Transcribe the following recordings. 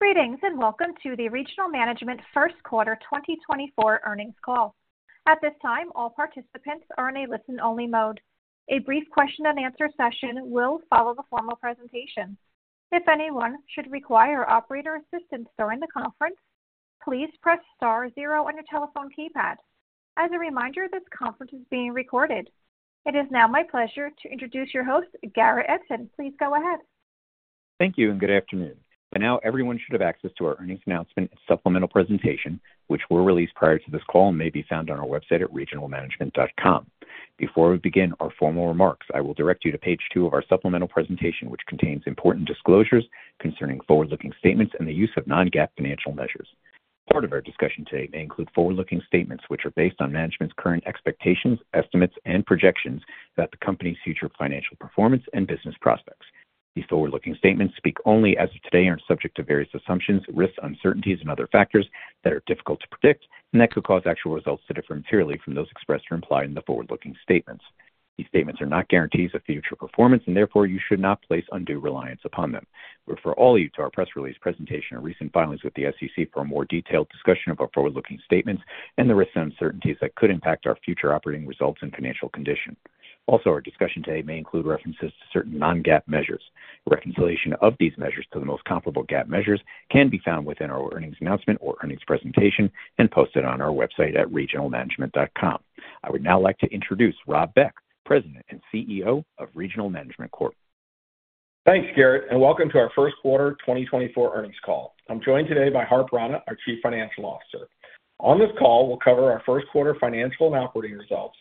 Greetings, and welcome to the Regional Management First Quarter 2024 Earnings Call. At this time, all participants are in a listen-only mode. A brief question and answer session will follow the formal presentation. If anyone should require operator assistance during the conference, please press star zero on your telephone keypad. As a reminder, this conference is being recorded. It is now my pleasure to introduce your host, Garrett Edson. Please go ahead. Thank you and good afternoon. By now, everyone should have access to our earnings announcement and supplemental presentation, which were released prior to this call and may be found on our website at regionalmanagement.com. Before we begin our formal remarks, I will direct you to page two of our supplemental presentation, which contains important disclosures concerning forward-looking statements and the use of non-GAAP financial measures. Part of our discussion today may include forward-looking statements, which are based on management's current expectations, estimates, and projections about the company's future financial performance and business prospects. These forward-looking statements speak only as of today and are subject to various assumptions, risks, uncertainties, and other factors that are difficult to predict and that could cause actual results to differ materially from those expressed or implied in the forward-looking statements. These statements are not guarantees of future performance, and therefore, you should not place undue reliance upon them. We refer all of you to our press release presentation and recent filings with the SEC for a more detailed discussion of our forward-looking statements and the risks and uncertainties that could impact our future operating results and financial condition. Also, our discussion today may include references to certain non-GAAP measures. Reconciliation of these measures to the most comparable GAAP measures can be found within our earnings announcement or earnings presentation and posted on our website at regionalmanagement.com. I would now like to introduce Rob Beck, President and CEO of Regional Management Corporation. Thanks, Garrett, and welcome to our first quarter 2024 earnings call. I'm joined today by Harp Rana, our Chief Financial Officer. On this call, we'll cover our first quarter financial and operating results,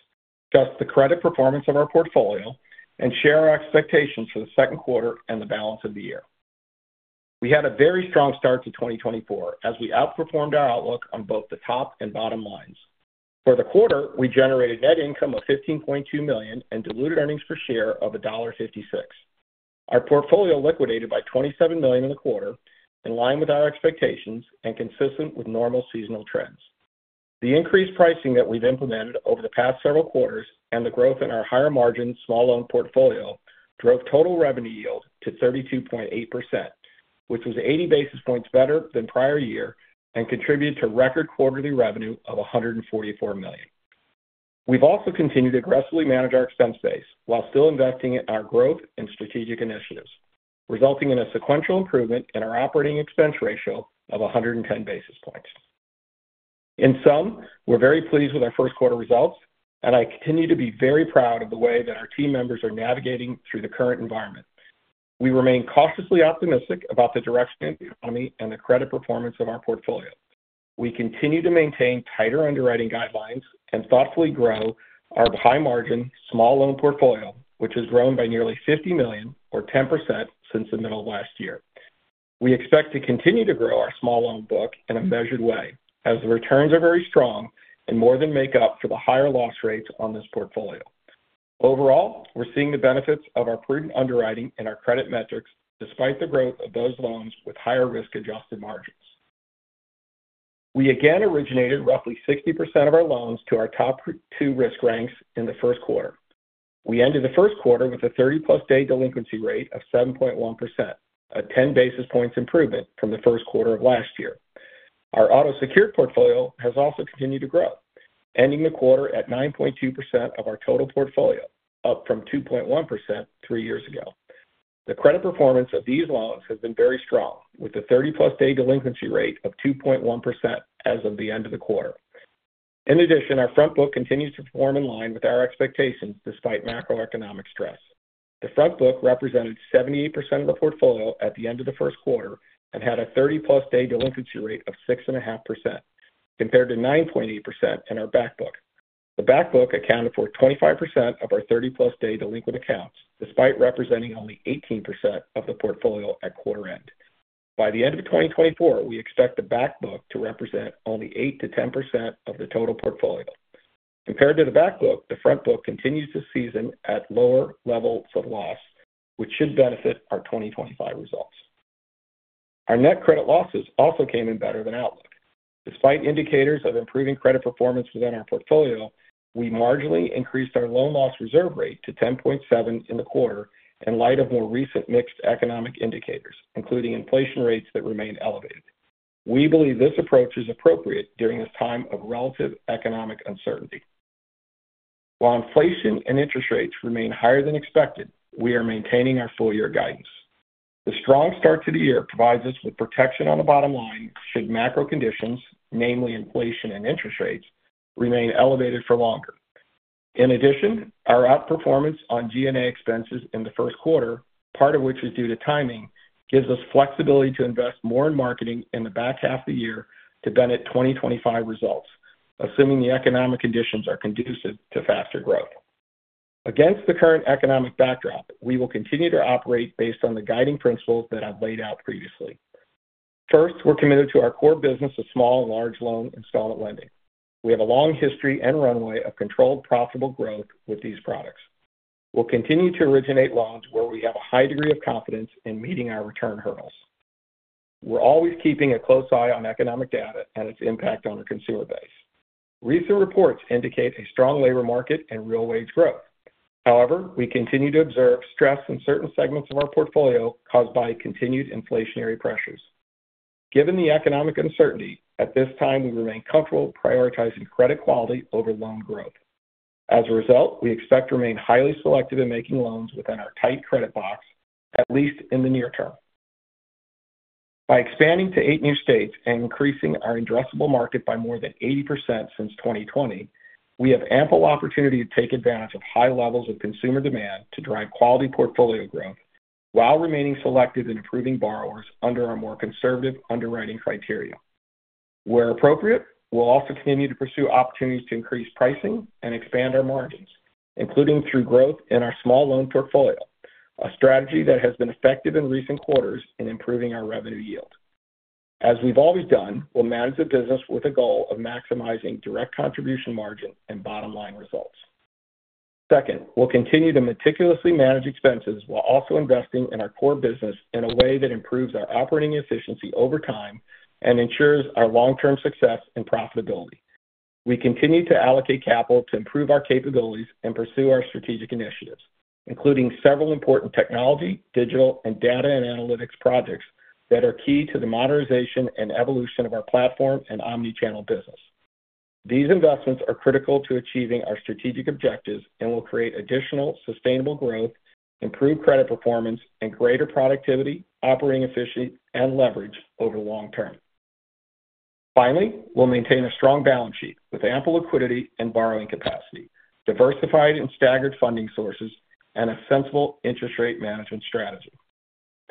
discuss the credit performance of our portfolio, and share our expectations for the second quarter and the balance of the year. We had a very strong start to 2024 as we outperformed our outlook on both the top and bottom lines. For the quarter, we generated net income of $15.2 million and diluted earnings per share of $1.56. Our portfolio liquidated by $27 million in the quarter, in line with our expectations and consistent with normal seasonal trends. The increased pricing that we've implemented over the past several quarters and the growth in our higher-margin small loan portfolio drove total revenue yield to 32.8%, which was 80 basis points better than prior year and contributed to record quarterly revenue of $144 million. We've also continued to aggressively manage our expense base while still investing in our growth and strategic initiatives, resulting in a sequential improvement in our operating expense ratio of 110 basis points. In sum, we're very pleased with our first quarter results, and I continue to be very proud of the way that our team members are navigating through the current environment. We remain cautiously optimistic about the direction of the economy and the credit performance of our portfolio. We continue to maintain tighter underwriting guidelines and thoughtfully grow our high-margin small loan portfolio, which has grown by nearly $50 million, or 10%, since the middle of last year. We expect to continue to grow our small loan book in a measured way, as the returns are very strong and more than make up for the higher loss rates on this portfolio. Overall, we're seeing the benefits of our prudent underwriting and our credit metrics, despite the growth of those loans with higher risk-adjusted margins. We again originated roughly 60% of our loans to our top two risk ranks in the first quarter. We ended the first quarter with a 30-plus day delinquency rate of 7.1%, a 10 basis points improvement from the first quarter of last year. Our auto secured portfolio has also continued to grow, ending the quarter at 9.2% of our total portfolio, up from 2.1% three years ago. The credit performance of these loans has been very strong, with a 30-plus day delinquency rate of 2.1% as of the end of the quarter. In addition, our front book continues to perform in line with our expectations, despite macroeconomic stress. The front book represented 78% of the portfolio at the end of the first quarter and had a 30-plus day delinquency rate of 6.5%, compared to 9.8% in our back book. The back book accounted for 25% of our 30-plus day delinquent accounts, despite representing only 18% of the portfolio at quarter end. By the end of 2024, we expect the back book to represent only 8%-10% of the total portfolio. Compared to the back book, the front book continues to season at lower levels of loss, which should benefit our 2025 results. Our net credit losses also came in better than outlook. Despite indicators of improving credit performance within our portfolio, we marginally increased our loan loss reserve rate to 10.7% in the quarter in light of more recent mixed economic indicators, including inflation rates that remain elevated. We believe this approach is appropriate during this time of relative economic uncertainty. While inflation and interest rates remain higher than expected, we are maintaining our full-year guidance. The strong start to the year provides us with protection on the bottom line should macro conditions, namely inflation and interest rates, remain elevated for longer. In addition, our outperformance on G&A expenses in the first quarter, part of which is due to timing, gives us flexibility to invest more in marketing in the back half of the year to benefit 2025 results, assuming the economic conditions are conducive to faster growth. Against the current economic backdrop, we will continue to operate based on the guiding principles that I've laid out previously. First, we're committed to our core business of small and large loan installment lending. We have a long history and runway of controlled, profitable growth with these products. We'll continue to originate loans where we have a high degree of confidence in meeting our return hurdles. We're always keeping a close eye on economic data and its impact on the consumer base.... Recent reports indicate a strong labor market and real wage growth. However, we continue to observe stress in certain segments of our portfolio caused by continued inflationary pressures. Given the economic uncertainty, at this time, we remain comfortable prioritizing credit quality over loan growth. As a result, we expect to remain highly selective in making loans within our tight credit box, at least in the near term. By expanding to eight new states and increasing our addressable market by more than 80% since 2020, we have ample opportunity to take advantage of high levels of consumer demand to drive quality portfolio growth while remaining selective in approving borrowers under our more conservative underwriting criteria. Where appropriate, we'll also continue to pursue opportunities to increase pricing and expand our margins, including through growth in our small loan portfolio, a strategy that has been effective in recent quarters in improving our revenue yield. As we've always done, we'll manage the business with the goal of maximizing Direct Contribution Margin and bottom-line results. Second, we'll continue to meticulously manage expenses while also investing in our core business in a way that improves our operating efficiency over time and ensures our long-term success and profitability. We continue to allocate capital to improve our capabilities and pursue our strategic initiatives, including several important technology, digital, and data and analytics projects that are key to the modernization and evolution of our platform and omni-channel business. These investments are critical to achieving our strategic objectives and will create additional sustainable growth, improved credit performance, and greater productivity, operating efficiency, and leverage over long term. Finally, we'll maintain a strong balance sheet with ample liquidity and borrowing capacity, diversified and staggered funding sources, and a sensible interest rate management strategy.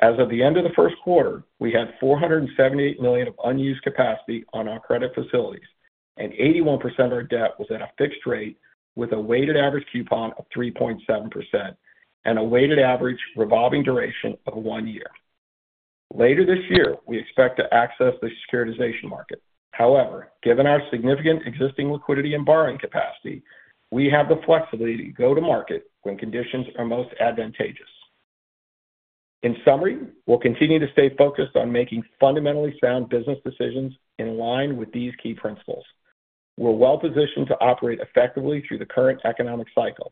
As of the end of the first quarter, we had $478 million of unused capacity on our credit facilities, and 81% of our debt was at a fixed rate, with a weighted average coupon of 3.7% and a weighted average revolving duration of 1 year. Later this year, we expect to access the securitization market. However, given our significant existing liquidity and borrowing capacity, we have the flexibility to go to market when conditions are most advantageous. In summary, we'll continue to stay focused on making fundamentally sound business decisions in line with these key principles. We're well-positioned to operate effectively through the current economic cycle.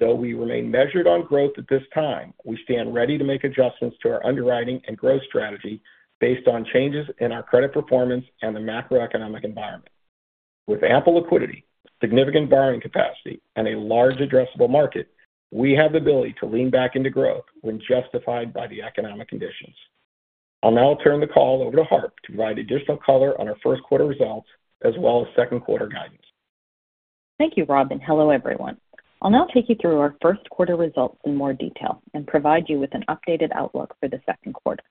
Though we remain measured on growth at this time, we stand ready to make adjustments to our underwriting and growth strategy based on changes in our credit performance and the macroeconomic environment. With ample liquidity, significant borrowing capacity, and a large addressable market, we have the ability to lean back into growth when justified by the economic conditions. I'll now turn the call over to Harp to provide additional color on our first quarter results as well as second quarter guidance. Thank you, Rob, and hello, everyone. I'll now take you through our first quarter results in more detail and provide you with an updated outlook for the second quarter.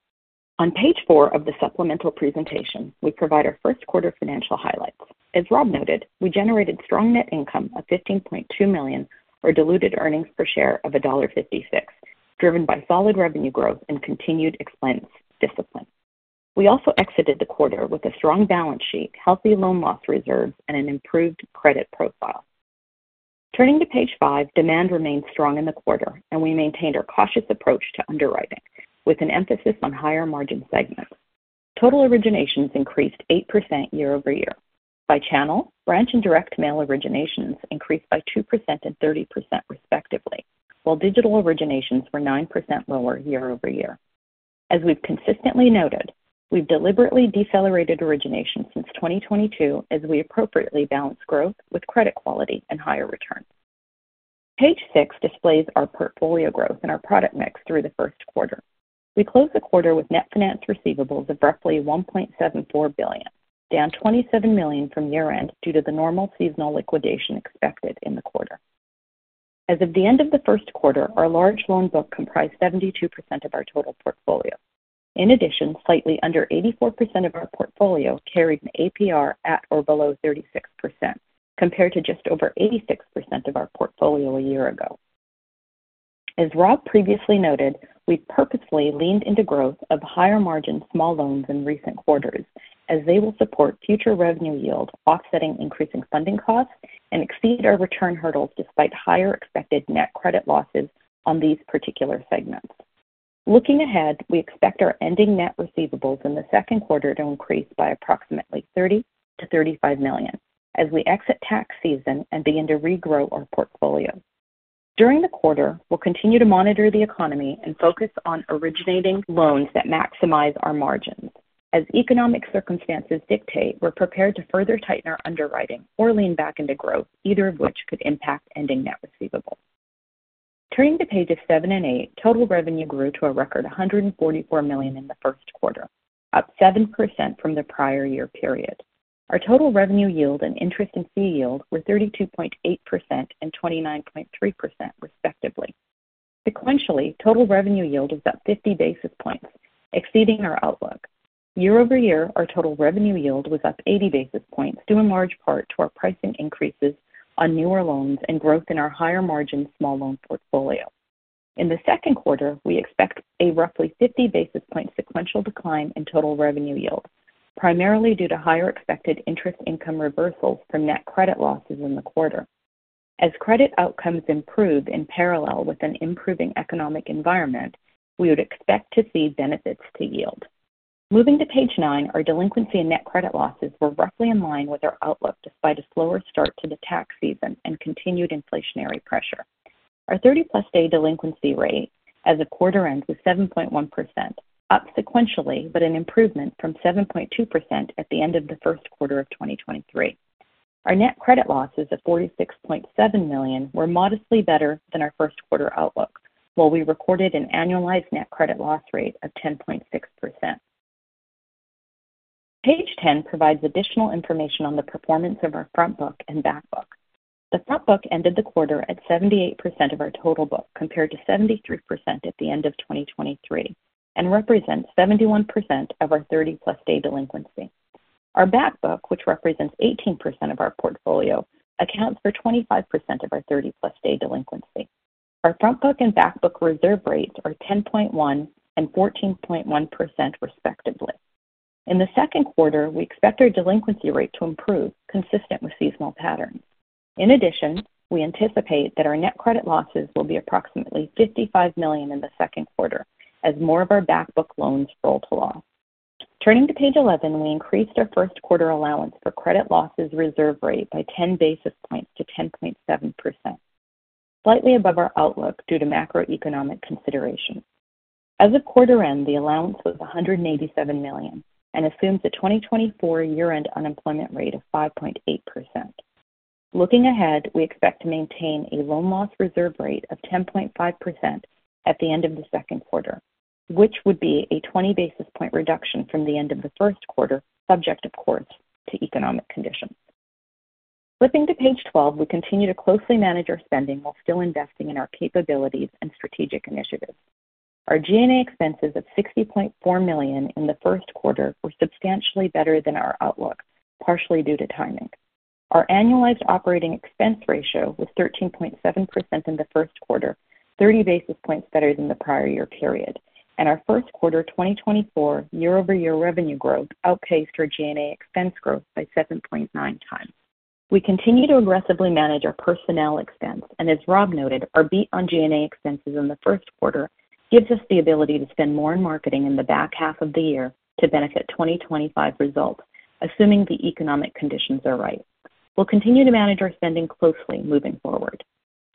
On page four of the supplemental presentation, we provide our first quarter financial highlights. As Rob noted, we generated strong net income of $15.2 million, or diluted earnings per share of $1.56, driven by solid revenue growth and continued expense discipline. We also exited the quarter with a strong balance sheet, healthy loan loss reserves, and an improved credit profile. Turning to page five, demand remained strong in the quarter, and we maintained our cautious approach to underwriting, with an emphasis on higher-margin segments. Total originations increased 8% year-over-year. By channel, branch and direct mail originations increased by 2% and 30%, respectively, while digital originations were 9% lower year-over-year. As we've consistently noted, we've deliberately decelerated origination since 2022 as we appropriately balance growth with credit quality and higher returns. Page six displays our portfolio growth and our product mix through the first quarter. We closed the quarter with net finance receivables of roughly $1.74 billion, down $27 million from year-end due to the normal seasonal liquidation expected in the quarter. As of the end of the first quarter, our large loan book comprised 72% of our total portfolio. In addition, slightly under 84% of our portfolio carried an APR at or below 36%, compared to just over 86% of our portfolio a year ago. As Rob previously noted, we've purposely leaned into growth of higher-margin small loans in recent quarters, as they will support future revenue yield, offsetting increasing funding costs, and exceed our return hurdles despite higher expected net credit losses on these particular segments. Looking ahead, we expect our ending net receivables in the second quarter to increase by approximately $30-$35 million as we exit tax season and begin to regrow our portfolio. During the quarter, we'll continue to monitor the economy and focus on originating loans that maximize our margins. As economic circumstances dictate, we're prepared to further tighten our underwriting or lean back into growth, either of which could impact ending net receivables. Turning to pages seven and eight, total revenue grew to a record $144 million in the first quarter, up 7% from the prior year period. Our total revenue yield and interest and fee yield were 32.8% and 29.3%, respectively. Sequentially, total revenue yield is up 50 basis points, exceeding our outlook. Year over year, our total revenue yield was up 80 basis points, due in large part to our pricing increases on newer loans and growth in our higher-margin small loan portfolio. In the second quarter, we expect a roughly 50 basis point sequential decline in total revenue yield, primarily due to higher expected interest income reversals from net credit losses in the quarter. As credit outcomes improve in parallel with an improving economic environment, we would expect to see benefits to yield. Moving to page nine, our delinquency and net credit losses were roughly in line with our outlook, despite a slower start to the tax season and continued inflationary pressure. Our 30-plus day delinquency rate as of quarter end was 7.1%, up sequentially, but an improvement from 7.2% at the end of the first quarter of 2023. Our net credit losses of $46.7 million were modestly better than our first quarter outlook, while we recorded an annualized net credit loss rate of 10.6%. Page 10 provides additional information on the performance of our front book and back book. The front book ended the quarter at 78% of our total book, compared to 73% at the end of 2023, and represents 71% of our 30-plus day delinquency. Our back book, which represents 18% of our portfolio, accounts for 25% of our 30-plus day delinquency. Our front book and back book reserve rates are 10.1% and 14.1%, respectively. In the second quarter, we expect our delinquency rate to improve, consistent with seasonal patterns. In addition, we anticipate that our net credit losses will be approximately $55 million in the second quarter as more of our back book loans roll to loss. Turning to page 11, we increased our first quarter allowance for credit losses reserve rate by 10 basis points to 10.7%, slightly above our outlook due to macroeconomic considerations. As of quarter end, the allowance was $187 million and assumes a 2024 year-end unemployment rate of 5.8%. Looking ahead, we expect to maintain a loan loss reserve rate of 10.5% at the end of the second quarter, which would be a 20 basis point reduction from the end of the first quarter, subject of course, to economic conditions. Flipping to page 12, we continue to closely manage our spending while still investing in our capabilities and strategic initiatives. Our G&A expenses of $60.4 million in the first quarter were substantially better than our outlook, partially due to timing. Our annualized operating expense ratio was 13.7% in the first quarter, 30 basis points better than the prior year period, and our first quarter 2024 year-over-year revenue growth outpaced our G&A expense growth by 7.9 times. We continue to aggressively manage our personnel expense, and as Rob noted, our beat on G&A expenses in the first quarter gives us the ability to spend more in marketing in the back half of the year to benefit 2025 results, assuming the economic conditions are right. We'll continue to manage our spending closely moving forward.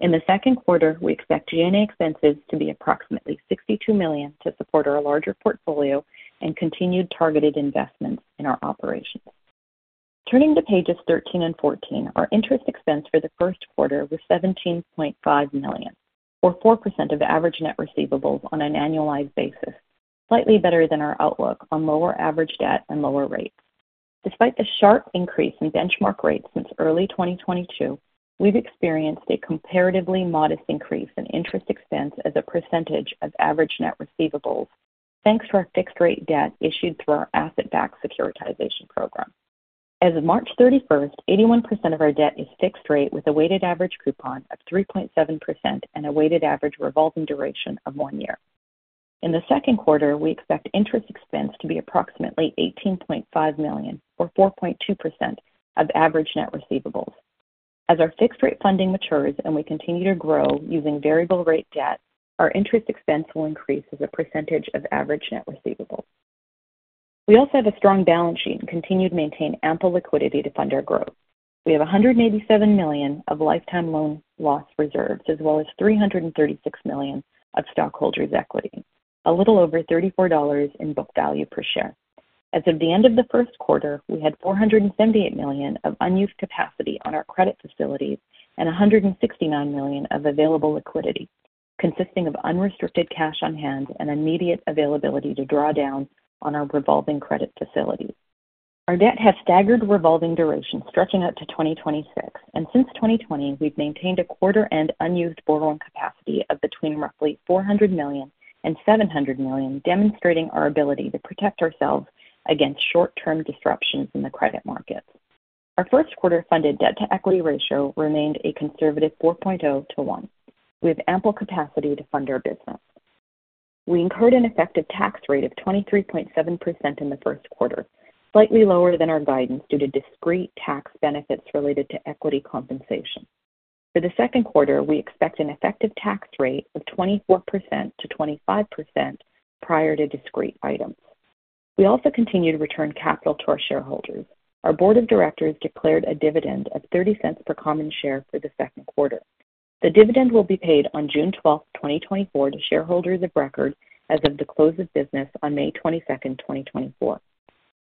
In the second quarter, we expect G&A expenses to be approximately $62 million to support our larger portfolio and continued targeted investments in our operations. Turning to pages 13 and 14, our interest expense for the first quarter was $17.5 million, or 4% of average net receivables on an annualized basis, slightly better than our outlook on lower average debt and lower rates. Despite the sharp increase in benchmark rates since early 2022, we've experienced a comparatively modest increase in interest expense as a percentage of average net receivables, thanks to our fixed rate debt issued through our asset-backed securitization program. As of March 31, 81% of our debt is fixed rate, with a weighted average coupon of 3.7% and a weighted average revolving duration of 1 year. In the second quarter, we expect interest expense to be approximately $18.5 million, or 4.2% of average net receivables. As our fixed rate funding matures and we continue to grow using variable rate debt, our interest expense will increase as a percentage of average net receivables. We also have a strong balance sheet and continue to maintain ample liquidity to fund our growth. We have $187 million of lifetime loan loss reserves, as well as $336 million of stockholders' equity, a little over $34 in book value per share. As of the end of the first quarter, we had $478 million of unused capacity on our credit facilities and $169 million of available liquidity, consisting of unrestricted cash on hand and immediate availability to draw down on our revolving credit facilities. Our debt has staggered revolving duration stretching out to 2026, and since 2020, we've maintained a quarter-end unused borrowing capacity of between roughly $400 million and $700 million, demonstrating our ability to protect ourselves against short-term disruptions in the credit markets. Our first quarter funded debt-to-equity ratio remained a conservative 4.0-to-1. We have ample capacity to fund our business. We incurred an effective tax rate of 23.7% in the first quarter, slightly lower than our guidance, due to discrete tax benefits related to equity compensation. For the second quarter, we expect an effective tax rate of 24%-25% prior to discrete items. We also continue to return capital to our shareholders. Our board of directors declared a dividend of $0.30 per common share for the second quarter. The dividend will be paid on June twelfth, 2024 to shareholders of record as of the close of business on May twenty-second, 2024.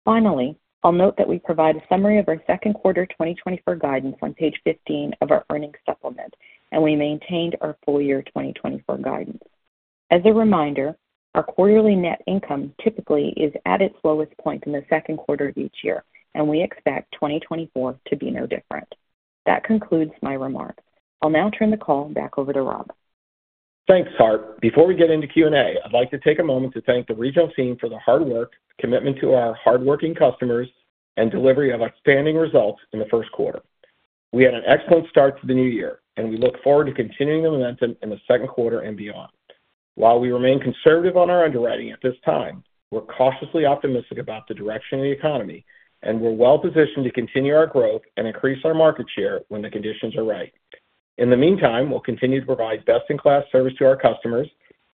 Finally, I'll note that we provide a summary of our second quarter 2024 guidance on page 15 of our earnings supplement, and we maintained our full year 2024 guidance. As a reminder, our quarterly net income typically is at its lowest point in the second quarter of each year, and we expect 2024 to be no different. That concludes my remarks. I'll now turn the call back over to Rob. Thanks, Harp. Before we get into Q&A, I'd like to take a moment to thank the Regional team for the hard work, commitment to our hardworking customers, and delivery of outstanding results in the first quarter. We had an excellent start to the new year, and we look forward to continuing the momentum in the second quarter and beyond. While we remain conservative on our underwriting at this time, we're cautiously optimistic about the direction of the economy, and we're well positioned to continue our growth and increase our market share when the conditions are right. In the meantime, we'll continue to provide best-in-class service to our customers,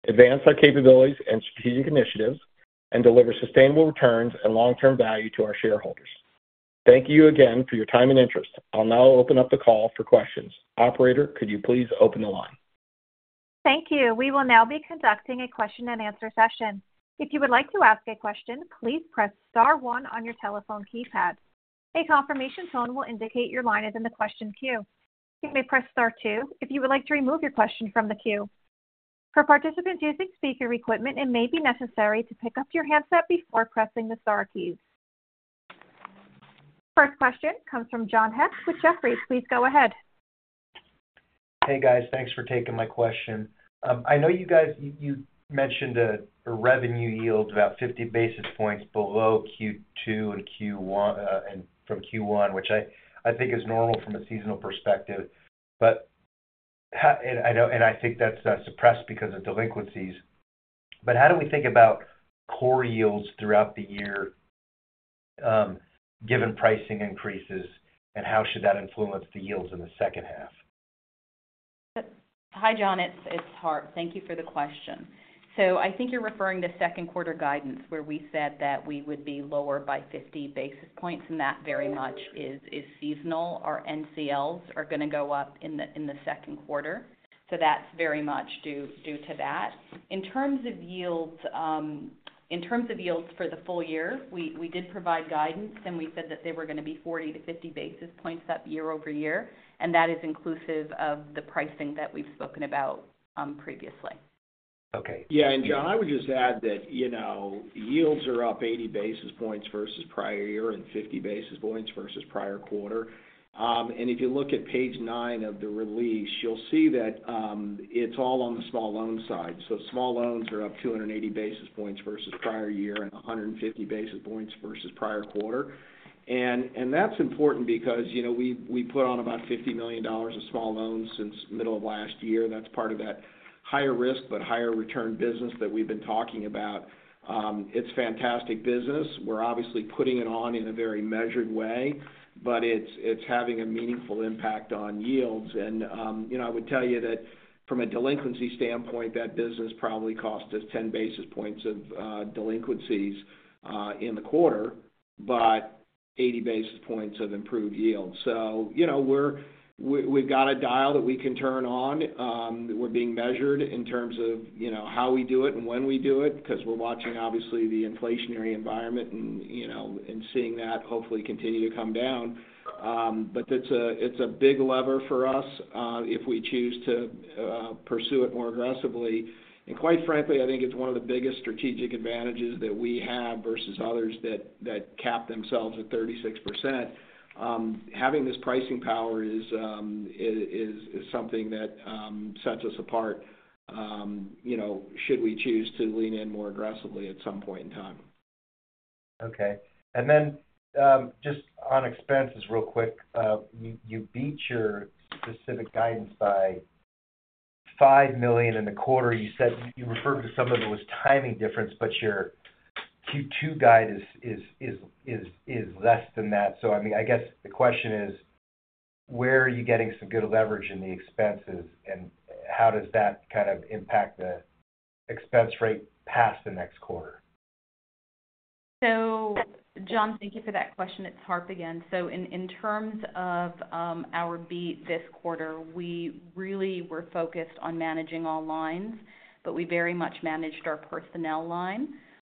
advance our capabilities and strategic initiatives, and deliver sustainable returns and long-term value to our shareholders. Thank you again for your time and interest. I'll now open up the call for questions. Operator, could you please open the line? Thank you. We will now be conducting a question-and-answer session. If you would like to ask a question, please press star one on your telephone keypad. A confirmation tone will indicate your line is in the question queue. You may press star two if you would like to remove your question from the queue. For participants using speaker equipment, it may be necessary to pick up your handset before pressing the star keys. First question comes from John Hecht with Jefferies. Please go ahead. Hey, guys. Thanks for taking my question. I know you guys, you mentioned a revenue yield about 50 basis points below Q2 and Q1, and from Q1, which I think is normal from a seasonal perspective. But how, and I know, and I think that's suppressed because of delinquencies. But how do we think about core yields throughout the year, given pricing increases, and how should that influence the yields in the second half? Hi, John. It's Harp. Thank you for the question. So I think you're referring to second quarter guidance, where we said that we would be lower by 50 basis points, and that very much is seasonal. Our NCLs are gonna go up in the second quarter, so that's very much due to that. In terms of yields, in terms of yields for the full year, we did provide guidance, and we said that they were gonna be 40-50 basis points up year-over-year, and that is inclusive of the pricing that we've spoken about, previously. Okay. Yeah, and John, I would just add that, you know, yields are up 80 basis points versus prior year and 50 basis points versus prior quarter. And if you look at page 9 of the release, you'll see that, it's all on the small loan side. So small loans are up 280 basis points versus prior year and 150 basis points versus prior quarter. And that's important because, you know, we, we put on about $50 million of small loans since middle of last year. That's part of that higher risk, but higher return business that we've been talking about. It's fantastic business. We're obviously putting it on in a very measured way, but it's, it's having a meaningful impact on yields. You know, I would tell you that from a delinquency standpoint, that business probably cost us 10 basis points of delinquencies in the quarter, but 80 basis points of improved yields. So you know, we've got a dial that we can turn on. We're being measured in terms of, you know, how we do it and when we do it, 'cause we're watching, obviously, the inflationary environment and, you know, and seeing that hopefully continue to come down. But it's a big lever for us if we choose to pursue it more aggressively. And quite frankly, I think it's one of the biggest strategic advantages that we have versus others that cap themselves at 36%. Having this pricing power is something that sets us apart, you know, should we choose to lean in more aggressively at some point in time. Okay. And then, just on expenses real quick. You, you beat your specific guidance by $5 million in the quarter. You said you referred to some of it was timing difference, but your Q2 guide is less than that. So I mean, I guess the question is: Where are you getting some good leverage in the expenses, and how does that kind of impact the expense rate past the next quarter? So, John, thank you for that question. It's Harp again. So in terms of our beat this quarter, we really were focused on managing all lines, but we very much managed our personnel line.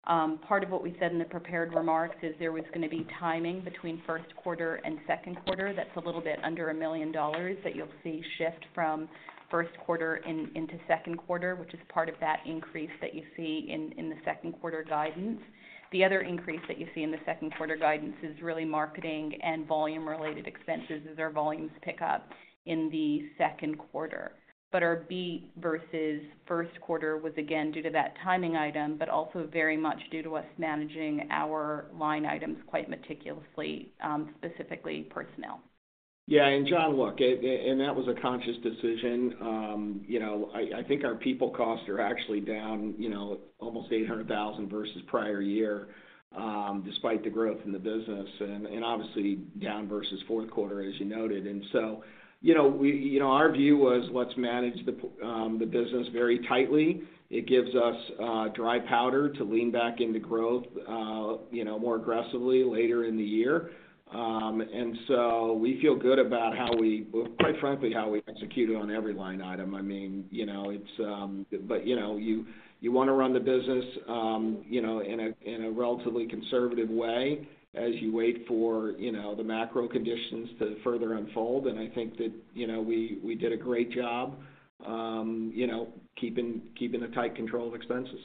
Part of what we said in the prepared remarks is there was gonna be timing between first quarter and second quarter. That's a little bit under $1 million that you'll see shift from first quarter into second quarter, which is part of that increase that you see in the second quarter guidance. The other increase that you see in the second quarter guidance is really marketing and volume-related expenses as our volumes pick up in the second quarter. But our beat versus first quarter was again due to that timing item, but also very much due to us managing our line items quite meticulously, specifically personnel. Yeah, and John, look, that was a conscious decision. You know, I think our people costs are actually down, you know, almost $800,000 versus prior year, despite the growth in the business, and obviously, down versus fourth quarter, as you noted. And so, you know, we, you know, our view was, let's manage the business very tightly. It gives us dry powder to lean back into growth, you know, more aggressively later in the year. And so we feel good about how we quite frankly, how we executed on every line item. I mean, you know, it's... But you know, you wanna run the business, you know, in a relatively conservative way as you wait for, you know, the macro conditions to further unfold. I think that, you know, we did a great job, you know, keeping a tight control of expenses.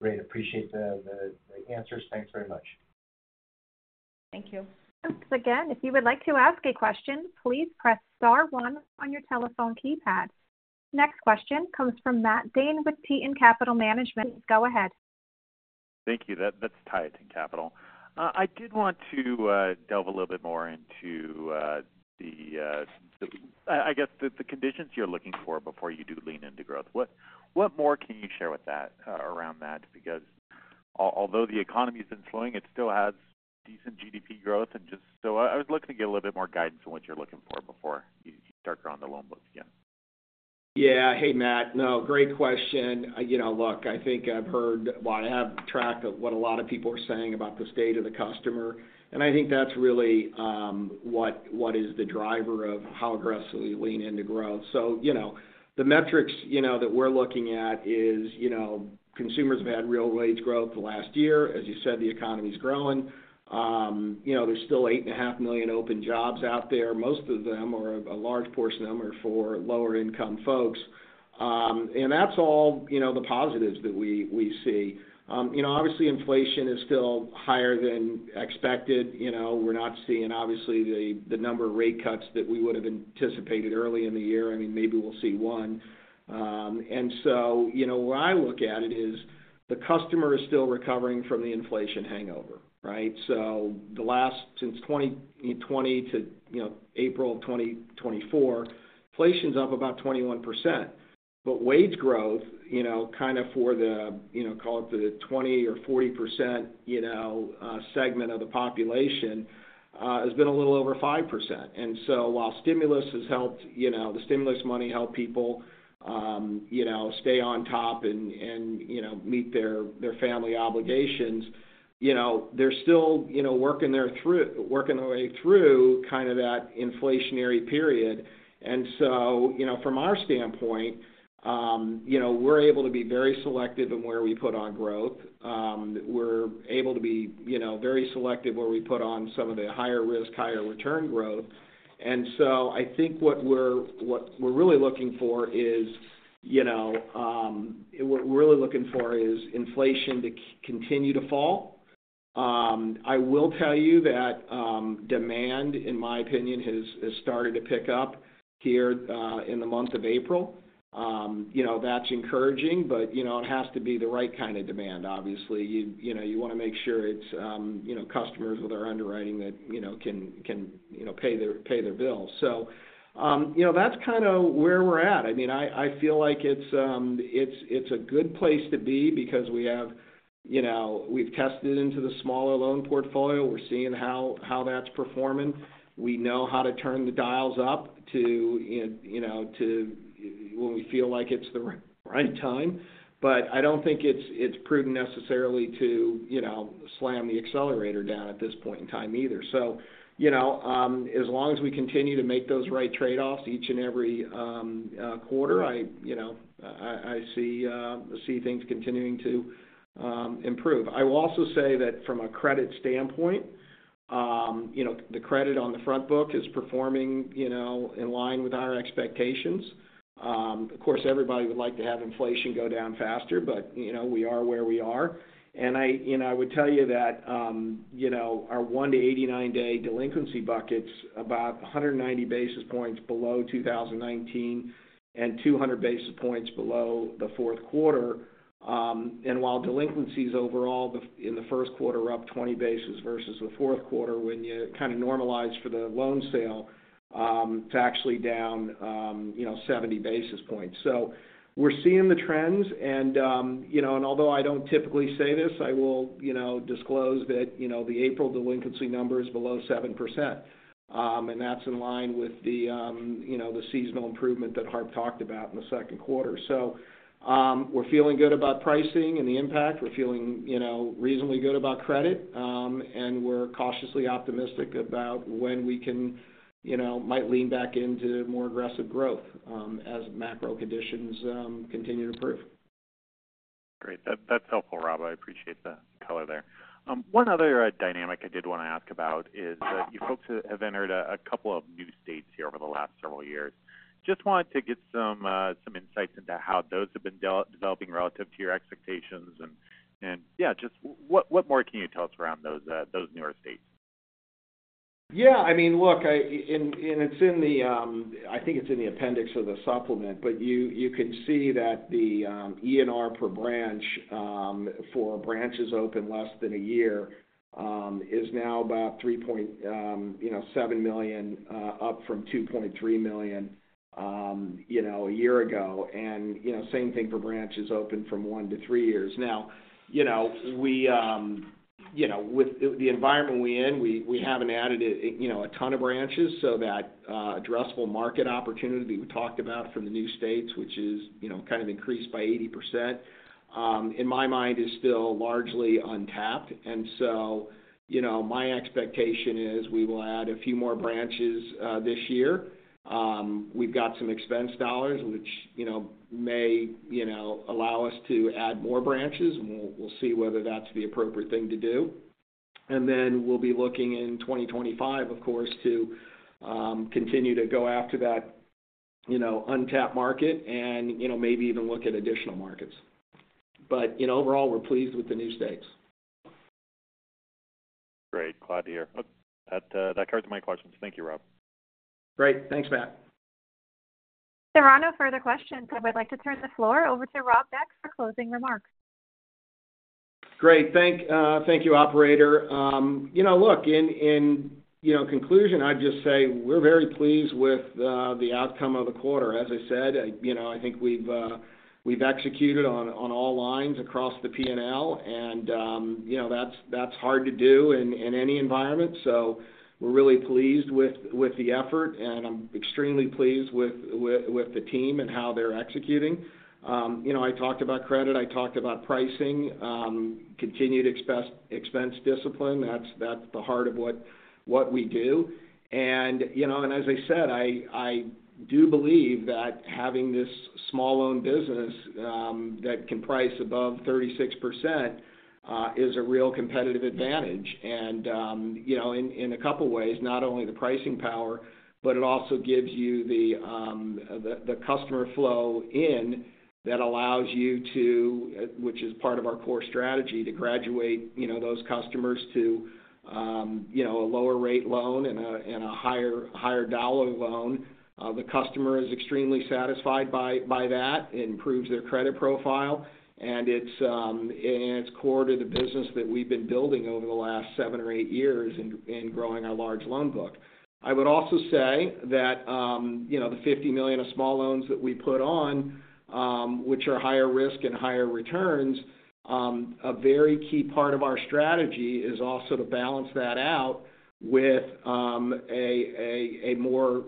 Great. Appreciate the answers. Thanks very much. Thank you. Again, if you would like to ask a question, please press star one on your telephone keypad. Next question comes from Matt Dane with Tieton Capital Management. Go ahead. Thank you. That's Tieton Capital. I did want to delve a little bit more into the conditions you're looking for before you do lean into growth. What more can you share with that around that? Because although the economy's been slowing, it still has decent GDP growth. And just so I was looking to get a little bit more guidance on what you're looking for before you start growing the loan books again. Yeah. Hey, Matt. No, great question. You know, look, I think I've heard. Well, I keep track of what a lot of people are saying about the state of the customer, and I think that's really, what, what is the driver of how aggressively we lean into growth. So, you know, the metrics, you know, that we're looking at is, you know, consumers have had real wage growth the last year. As you said, the economy's growing. You know, there's still 8.5 million open jobs out there. Most of them, or a large portion of them, are for lower-income folks. And that's all, you know, the positives that we, we see. You know, obviously, inflation is still higher than expected. You know, we're not seeing, obviously, the, the number of rate cuts that we would have anticipated early in the year. I mean, maybe we'll see one. And so, you know, where I look at it is the customer is still recovering from the inflation hangover, right? Since 2020 to, you know, April of 2024, inflation's up about 21%. But wage growth, you know, kind of for the, you know, call it the 20% or 40%, you know, segment of the population, has been a little over 5%. And so while stimulus has helped, you know, the stimulus money help people, you know, stay on top and, you know, meet their family obligations, you know, they're still, you know, working their way through kind of that inflationary period. And so, you know, from our standpoint, you know, we're able to be very selective in where we put on growth. We're able to be, you know, very selective where we put on some of the higher risk, higher return growth. And so I think what we're really looking for is, you know, what we're really looking for is inflation to continue to fall. I will tell you that demand, in my opinion, has started to pick up here in the month of April. You know, that's encouraging, but, you know, it has to be the right kind of demand, obviously. You know, you want to make sure it's, you know, customers with our underwriting that, you know, can pay their bills. So, you know, that's kind of where we're at. I mean, I feel like it's a good place to be because we have, you know, we've tested into the smaller loan portfolio. We're seeing how that's performing. We know how to turn the dials up, you know, to when we feel like it's the right time. But I don't think it's prudent necessarily to, you know, slam the accelerator down at this point in time either. So, you know, as long as we continue to make those right trade-offs each and every quarter, you know, I see things continuing to improve. I will also say that from a credit standpoint, you know, the credit on the front book is performing, you know, in line with our expectations. Of course, everybody would like to have inflation go down faster, but, you know, we are where we are. And I, you know, I would tell you that, you know, our 1-89-day delinquency bucket's about 190 basis points below 2019, and 200 basis points below the fourth quarter. And while delinquencies overall in the first quarter are up 20 basis versus the fourth quarter, when you kind of normalize for the loan sale, it's actually down, you know, 70 basis points. So we're seeing the trends, and, you know, and although I don't typically say this, I will, you know, disclose that, you know, the April delinquency number is below 7%. And that's in line with the, you know, the seasonal improvement that Harp talked about in the second quarter. We're feeling good about pricing and the impact. We're feeling, you know, reasonably good about credit, and we're cautiously optimistic about when we can, you know, might lean back into more aggressive growth, as macro conditions continue to improve. Great. That's helpful, Rob. I appreciate the color there. One other dynamic I did want to ask about is that you folks have entered a couple of new states here over the last several years. Just wanted to get some insights into how those have been developing relative to your expectations. And, yeah, just what more can you tell us around those newer states? Yeah, I mean, look, I think it's in the appendix of the supplement, but you can see that the ENR per branch for branches open less than a year is now about $3.7 million, you know, up from $2.3 million, you know, a year ago. And, you know, same thing for branches open from one to three years. Now, you know, with the environment we're in, we haven't added, you know, a ton of branches, so that addressable market opportunity we talked about from the new states, which is, you know, kind of increased by 80%, in my mind, is still largely untapped. And so, you know, my expectation is we will add a few more branches this year. We've got some expense dollars, which, you know, may, you know, allow us to add more branches, and we'll see whether that's the appropriate thing to do. And then we'll be looking in 2025, of course, to continue to go after that, you know, untapped market and, you know, maybe even look at additional markets. But, you know, overall, we're pleased with the new states. Great, glad to hear. Look, that, that covers my questions. Thank you, Rob. Great. Thanks, Matt. There are no further questions, so I'd like to turn the floor over to Rob Beck for closing remarks. Great. Thank you, operator. You know, look, in conclusion, I'd just say we're very pleased with the outcome of the quarter. As I said, you know, I think we've executed on all lines across the P&L, and you know, that's hard to do in any environment. So we're really pleased with the effort, and I'm extremely pleased with the team and how they're executing. You know, I talked about credit, I talked about pricing, continued expense discipline, that's the heart of what we do. And you know, as I said, I do believe that having this small loan business that can price above 36% is a real competitive advantage. You know, in a couple of ways, not only the pricing power, but it also gives you the customer flow in that allows you to, which is part of our core strategy, to graduate, you know, those customers to, you know, a lower rate loan and a higher dollar loan. The customer is extremely satisfied by that. It improves their credit profile, and it's core to the business that we've been building over the last seven or eight years in growing our large loan book. I would also say that, you know, the $50 million of small loans that we put on, which are higher risk and higher returns, a very key part of our strategy is also to balance that out with, a more,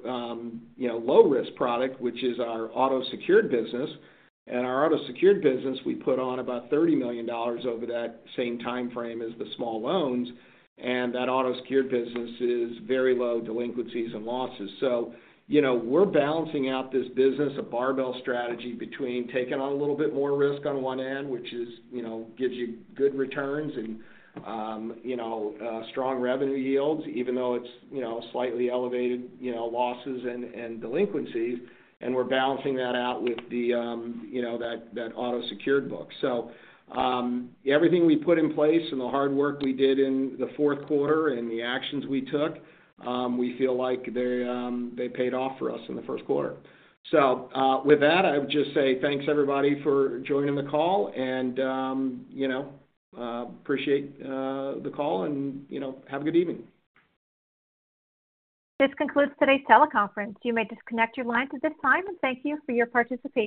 you know, low-risk product, which is our auto secured business. And our auto secured business, we put on about $30 million over that same time frame as the small loans, and that auto secured business is very low delinquencies and losses. So, you know, we're balancing out this business, a barbell strategy between taking on a little bit more risk on one end, which is, you know, gives you good returns and, you know, strong revenue yields, even though it's, you know, slightly elevated, you know, losses and delinquencies, and we're balancing that out with the, you know, that auto secured book. So, everything we put in place and the hard work we did in the fourth quarter and the actions we took, we feel like they paid off for us in the first quarter. So, with that, I would just say thanks everybody for joining the call and, you know, appreciate the call and, you know, have a good evening. This concludes today's teleconference. You may disconnect your lines at this time, and thank you for your participation.